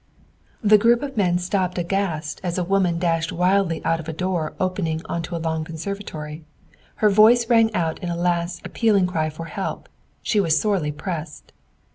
The group of men stopped aghast as a woman dashed wildly out of a door opening into a long conservatory. Her voice rang out in a last, appealing cry for help. She was sorely pressed!